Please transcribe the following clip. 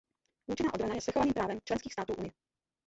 Účinná obrana je svrchovaným právem členských států Unie.